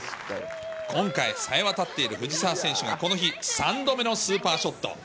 今回さえわたっている藤澤選手がこの日、３度目のスーパーショット。